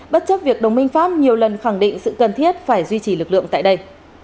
bất chấp việc đồng minh pháp nhiều lần khẳng định sự cần thiết phải duy trì lực lượng tại đây